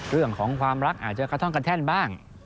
เรื่องของความรักอาจจะกระท่องกระแท่นบ้าง